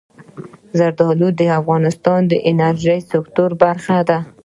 زردالو د افغانستان د انرژۍ سکتور برخه ده.